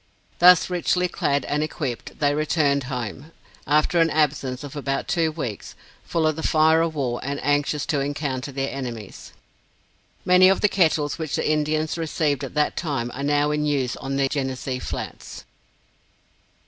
Thus richly clad and equipped, they returned home, after an absence of about two weeks, full of the fire of war, and anxious to encounter their enemies. Many of the kettles which the Indians received at that time are now in use on the Genesee Flats.